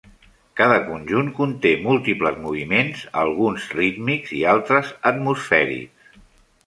Cada conjunt conté múltiples moviments, alguns rítmics i altres atmosfèrics.